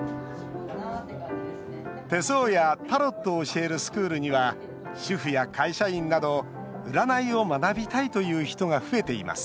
手相やタロットを教えるスクールには、主婦や会社員など占いを学びたいという人が増えています